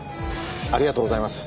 ありがとうございます。